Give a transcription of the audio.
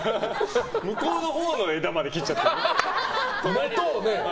向こうのほうの枝まで切っちゃったり。